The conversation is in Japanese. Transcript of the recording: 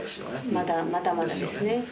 まだまだですね。